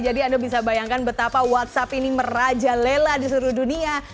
jadi anda bisa bayangkan betapa whatsapp ini meraja lela di seluruh dunia